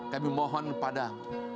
kami mohon padamu